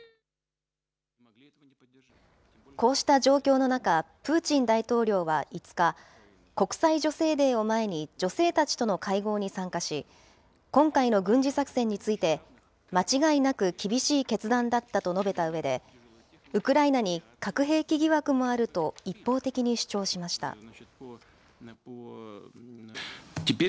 こうした状況の中、プーチン大統領は５日、国際女性デーを前に女性たちとの会合に参加し、今回の軍事作戦について、間違いなく厳しい決断だったと述べたうえで、ウクライナに核兵器疑惑もあると、一方的に主張しました。